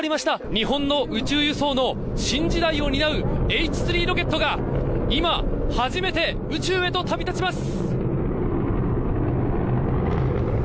日本の宇宙輸送の新時代を担うＨ３ロケットが今、初めて宇宙へと旅立ちます！